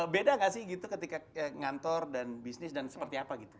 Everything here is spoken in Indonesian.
beda gak sih gitu ketika ngantor dan bisnis dan seperti apa gitu